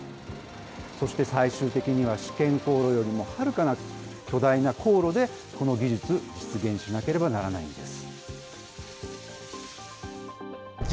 そして最終的には、試験高炉よりもはるかな巨大な高炉でこの技術、実現しなければならないんです。